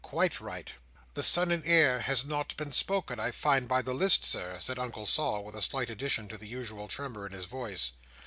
Quite right." "The Son and Heir has not been spoken, I find by the list, Sir," said Uncle Sol, with a slight addition to the usual tremor in his voice.